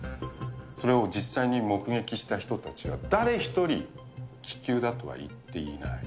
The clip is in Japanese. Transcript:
それを実際に目撃した人たちは、誰一人、気球だとは言っていない。